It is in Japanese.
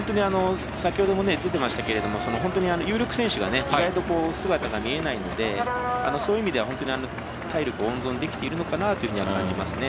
有力選手が意外と姿が見えないのでそういう意味では、体力温存できているのかなと感じますね。